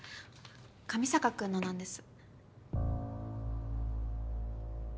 上坂君のなんです。